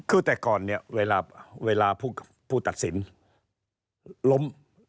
คือแต่ก่อนเนี่ยเวลาผู้ตัดสินล้ม